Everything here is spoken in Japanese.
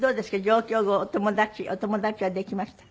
上京後お友達はできました？